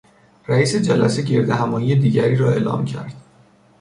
رئیس جلسه گردهمایی دیگری را اعلام کرد.